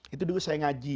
itu dulu saya ngaji